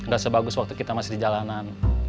gak sebagus waktu kita masih di jalanan